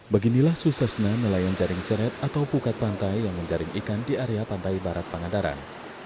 beginilah suksesna nelayan jaring seret atau pukat pantai yang menjaring ikan di area pantai barat pangandaran